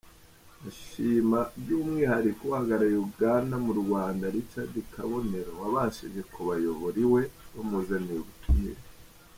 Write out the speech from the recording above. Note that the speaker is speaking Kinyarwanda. Ashima by’umwihariko uhagarariye Uganda mu Rwanda, Richard Kabonero, wabashije kubayobora iwe bamuzaniye ubutumire.